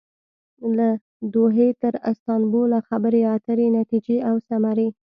له دوحې تر استانبوله خبرې اترې ،نتیجې او ثمرې